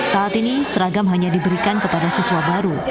saat ini seragam hanya diberikan kepada siswa baru